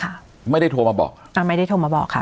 ไม่ได้โทรมาบอกอ่าไม่ได้โทรมาบอกค่ะ